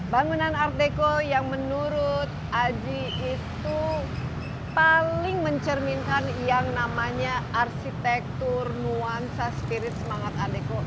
bangunan art deko yang menurut aji itu paling mencerminkan yang namanya arsitektur nuansa spirit semangat ardeko